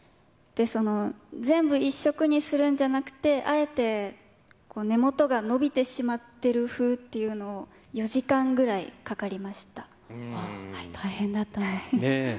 その全部一色にするんじゃなくて、あえて根元が伸びてしまってるふうっていうのを、４時間ぐらいか大変だったんですね。